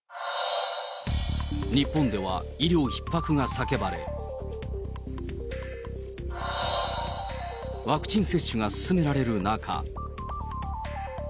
日本では医療ひっ迫が叫ばれ、ワクチン接種が進められる中。